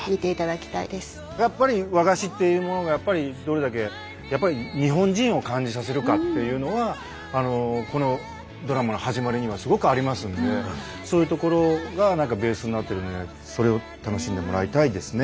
やっぱり和菓子っていうものがどれだけ日本人を感じさせるかっていうのはこのドラマの始まりにはすごくありますんでそういうところが何かベースになってるのでそれを楽しんでもらいたいですね。